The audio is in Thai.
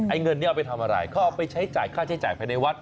เงินนี้เอาไปทำอะไรเขาเอาไปใช้จ่ายค่าใช้จ่ายภายในวัด